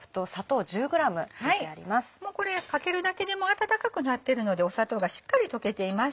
もうこれかけるだけで温かくなってるので砂糖がしっかり溶けています。